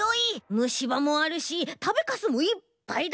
むしばもあるしたべカスもいっぱいだ！